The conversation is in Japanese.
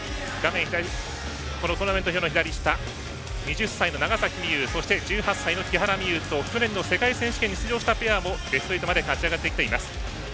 トーナメント表の左下２０歳の長崎美柚そして、１８歳の木原美悠と去年の世界選手権に出場したメンバーもベスト８まで勝ち上がってきています。